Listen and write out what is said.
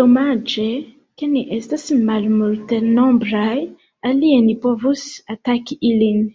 Domaĝe, ke ni estas malmultenombraj, alie ni povus ataki ilin!